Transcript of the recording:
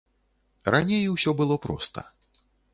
Раней усё было проста.